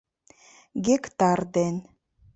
Гектар ден